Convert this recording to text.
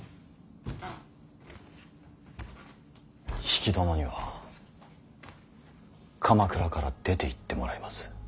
比企殿には鎌倉から出ていってもらいます。